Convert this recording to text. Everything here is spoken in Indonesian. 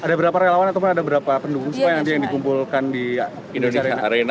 ada berapa relawan atau berapa penduduk yang dikumpulkan di indonesia arena